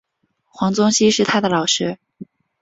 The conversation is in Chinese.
黄宗羲是他的老师。